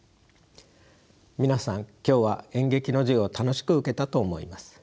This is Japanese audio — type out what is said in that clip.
皆さん今日は演劇の授業を楽しく受けたと思います。